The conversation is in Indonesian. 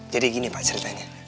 jadi gini pak ceritanya